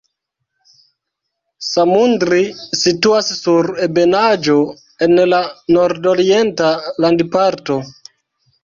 Samundri situas sur ebenaĵo en la nordorienta landparto.